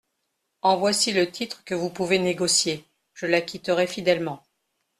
En voici le titre que vous pouvez négocier, je l'acquitterai fidèlement.